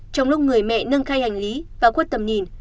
trong lúc người mẹ nâng khay hành lý và khuất tầm nhìn